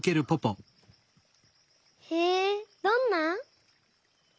へえどんな？